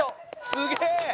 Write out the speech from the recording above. すげえ！